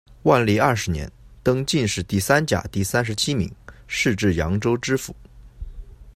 万历二十年，登进士第三甲第三十七名，仕至扬州知府。